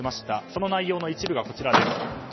その内容の一部がこちらです。